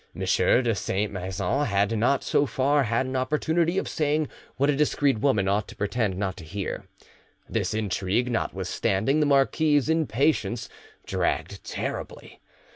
M. de Saint Maixent had not so far had an opportunity of saying what a discreet woman ought to pretend not to hear; this intrigue, notwithstanding the marquis's impatience, dragged terribly.